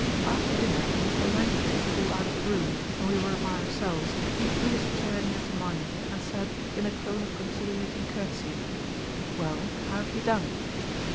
After dinner when Mr. Langton was called out of the room, and we were by ourselves, he drew his chair near to mine, and said, in a tone of conciliating courtesy, 'Well, how have you done?'